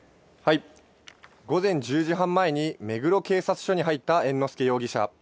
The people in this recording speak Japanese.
午前１０時半前に目黒警察署に入った猿之助容疑者。